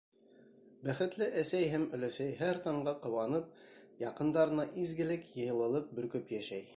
Бәхетле әсәй һәм өләсәй һәр таңға ҡыуанып, яҡындарына изгелек, йылылыҡ бөркөп йәшәй.